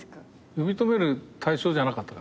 呼び止める対象じゃなかった？